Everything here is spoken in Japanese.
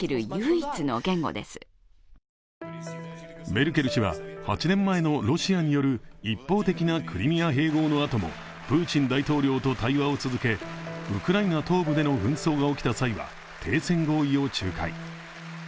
メルケル氏は、８年前のロシアによる一方的なクリミア併合のあともプーチン大統領と対話を続けウクライナ東部での紛争が起きた際は停戦合意を仲介。